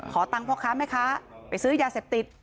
ตังค์พ่อค้าแม่ค้าไปซื้อยาเสพติด